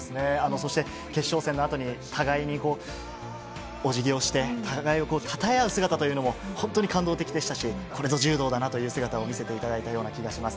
そして、決勝戦のあとに、互いにおじぎをして、互いをたたえ合う姿というのも、本当に感動的でしたし、これぞ柔道だなという姿を見せていただいたような気がします。